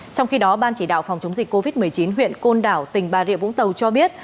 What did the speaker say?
trong khi đó ban chỉ đạo phòng chống dịch covid một mươi chín huyện côn đảo tỉnh bà rịa vũng tàu cho biết